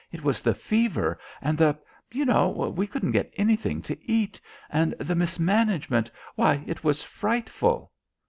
It was the fever and the you know, we couldn't get anything to eat. And the mismanagement. Why, it was frightful."